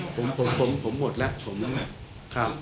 ผมผมผมหมดละผมครับ